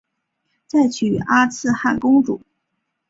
再娶阿剌罕公主。